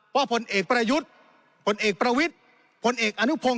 ผลเอกประยุทธ์ผลเอกประวิทธิ์พลเอกอนุพงศ